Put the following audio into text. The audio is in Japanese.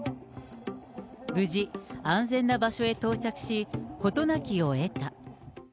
無事、安全な場所へ到着し、事なきをえた。